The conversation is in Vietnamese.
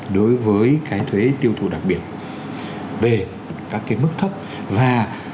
đối với cái thuế tiêu thụ đặc biệt về các cái mức thấp và